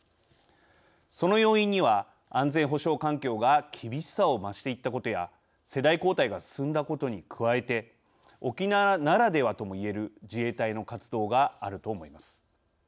その要因には安全保障環境が厳しさを増していったことや世代交代が進んだことに加えて沖縄ならではともいえる自衛隊の活動があると思います。